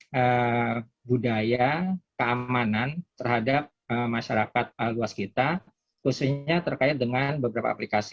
menjaga budaya keamanan terhadap masyarakat luas kita khususnya terkait dengan beberapa aplikasi